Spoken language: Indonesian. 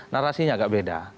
narasinya agak beda